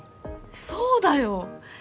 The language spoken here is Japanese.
そうだよ